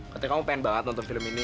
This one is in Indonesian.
katanya kamu pengen banget nonton film ini